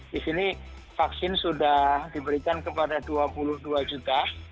di sini vaksin sudah diberikan kepada dua puluh dua juta